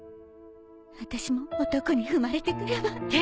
私も男に生まれてくれば